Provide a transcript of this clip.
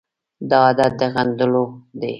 دا عادت د غندلو دی.